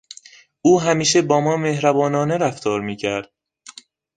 او همیشه با ما مهربانانه رفتار میکرد.